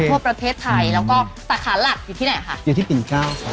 ทั่วประเทศไทยแล้วก็สาขาหลักอยู่ที่ไหนค่ะอยู่ที่ปิ่นเก้าครับ